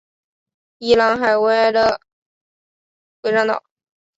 宜兰外海的龟山岛